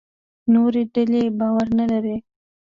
نورې ډلې باور نه لري.